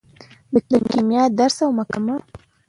د کیمیا درس او مکالمه